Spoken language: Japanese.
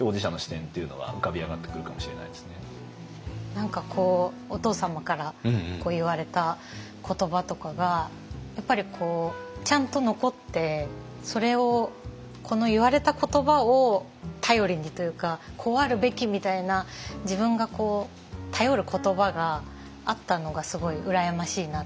何かこうお父様から言われた言葉とかがやっぱりちゃんと残ってそれをこの言われた言葉を頼りにというかこうあるべきみたいな自分が頼る言葉があったのがすごい羨ましいなと思いました。